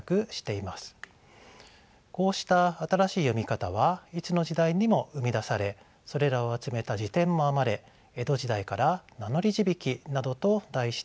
こうした新しい読み方はいつの時代にも生み出されそれらを集めた辞典も編まれ江戸時代から「名乗字引」などと題して出版されています。